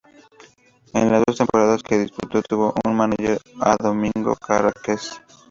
En las dos temporadas que disputó tuvo como manager a Domingo Carrasquel.